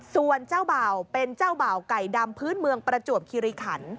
ส่วนเจ้าบ่าวเป็นเจ้าบ่าวไก่ดำพื้นเมืองประจวบคิริขัน